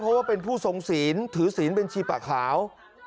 เพราะว่าเป็นผู้ทรงศีลถือศีลเป็นชีปะขาว